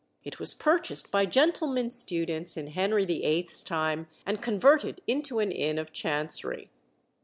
It was purchased by gentlemen students in Henry VIII.'s time, and converted into an inn of Chancery.